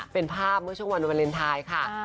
เป็นภาพเมื่อช่วงวันวาเลนไทยค่ะ